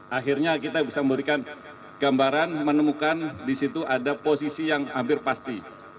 akhirnya kita bisa memberikan gambaran menemukan di situ ada posisi yang hampir pasti